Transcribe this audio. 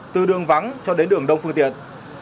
từ đường vắng cho đến đường đông phương tiện